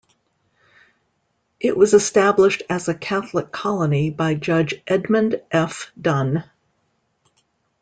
It was established as a Catholic colony by Judge Edmund F. Dunne.